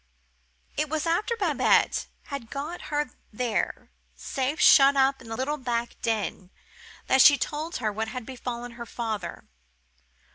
It was after Babette had got her there, safe shut up in the little back den, that she told her what had befallen her father.